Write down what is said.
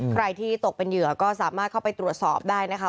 ใครที่ตกเป็นเหยื่อก็สามารถเข้าไปตรวจสอบได้นะคะ